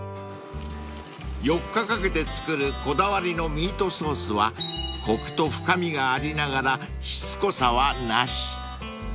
［４日かけて作るこだわりのミートソースはコクと深みがありながらしつこさはなし］